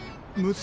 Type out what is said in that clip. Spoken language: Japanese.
娘！？